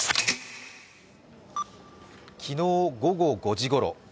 昨日午後５時ごろ。